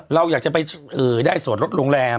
เราอยากจะไปได้ส่วนลดโรงแรม